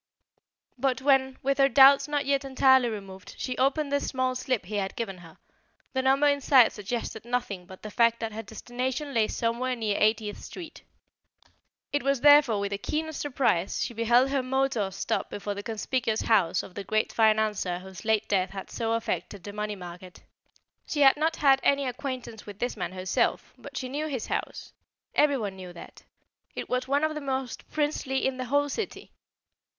But when, with her doubts not yet entirely removed, she opened the small slip he had given her, the number inside suggested nothing but the fact that her destination lay somewhere near Eightieth Street. It was therefore with the keenest surprise she beheld her motor stop before the conspicuous house of the great financier whose late death had so affected the money market. She had not had any acquaintance with this man herself, but she knew his house. Everyone knew that. It was one of the most princely in the whole city.